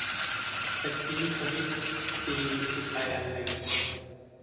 ตะกี้ทวีตปีผิดไปหนึ่งอัน